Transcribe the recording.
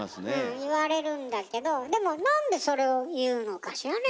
言われるんだけどでもなんでそれを言うのかしらね？